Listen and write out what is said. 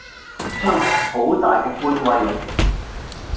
哼,好大嘅官威呀!